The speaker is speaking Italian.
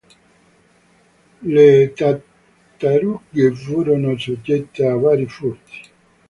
Le tartarughe furono soggette a vari furti.